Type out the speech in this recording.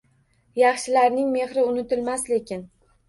Yaxshilarning mehri unutilmas lekin.